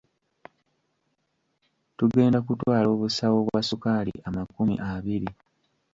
Tugenda kutwala obusawo bwa ssukaali amakumi abiri.